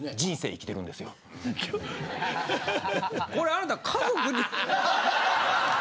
これあなた家族に。